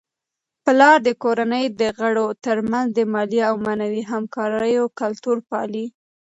پلار د کورنی د غړو ترمنځ د مالي او معنوي همکاریو کلتور پالي.